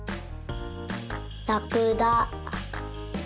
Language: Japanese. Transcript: ラクダ。